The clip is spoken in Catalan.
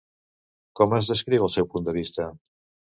Com es descriu el seu punt de vista?